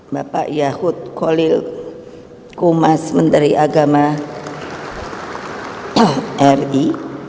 bapak yahud kolil kumas menteri agama ri